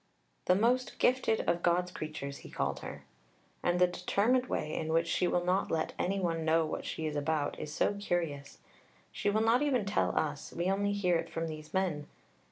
"The most gifted of God's creatures," he called her. And the determined way in which she will not let any one know what she is about is so curious. She will not even tell us; we only hear it from these men.